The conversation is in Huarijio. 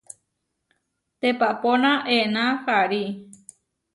Teʼpapóna ená harí.